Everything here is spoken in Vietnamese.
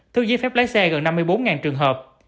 thu giấy phép lái xe gần năm mươi bốn trường hợp